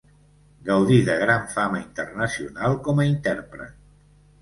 Gaudí de gran fama internacional com a intèrpret.